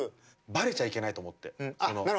バレちゃいけないと思って。